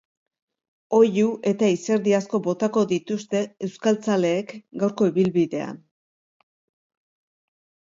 Oihu eta izerdi asko botako dituzte euskaltzaleek gaurko ibilbidean.